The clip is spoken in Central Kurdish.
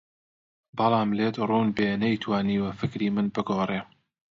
بەڵام لێت ڕوون بێ نەیتوانیوە فکری من بگۆڕێ